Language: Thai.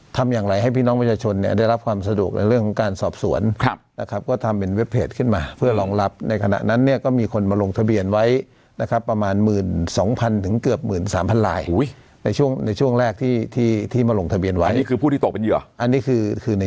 ทำอย่างไรให้พี่น้องประชาชนเนี่ยได้รับความสะดวกในเรื่องของการสอบสวนนะครับก็ทำเป็นเว็บเพจขึ้นมาเพื่อรองรับในขณะนั้นเนี่ยก็มีคนมาลงทะเบียนไว้นะครับประมาณ๑๒๐๐ถึงเกือบหมื่นสามพันลายในช่วงในช่วงแรกที่ที่มาลงทะเบียนไว้นี่คือผู้ที่ตกเป็นเหยื่ออันนี้คือคือใน